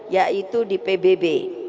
yaitu di pbb